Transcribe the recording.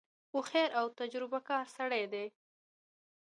هوښیار او تجربه کار سړی دی.